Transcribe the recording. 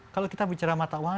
kalau kita bicara mata uang